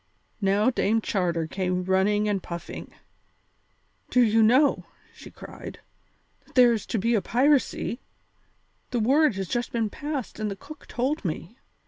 Now Dame Charter came running and puffing. "Do you know," she cried, "that there is to be a piracy? The word has just been passed and the cook told me.